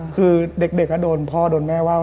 คือเด็กก็โดนพ่อโดนแม่ว่า